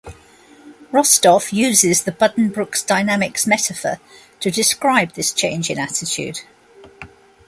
Rostow uses the Buddenbrooks dynamics metaphor to describe this change in attitude.